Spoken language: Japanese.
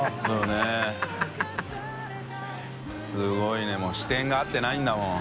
垢瓦いもう視点が合ってないんだもん。